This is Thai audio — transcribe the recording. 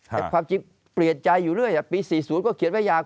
แต่ความจริงเปลี่ยนใจอยู่เรื่อยปี๔๐ก็เขียนไว้อยาก